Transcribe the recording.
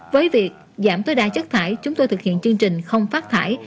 với việc giảm tối đa chất thải chúng tôi thực hiện chương trình không phát thải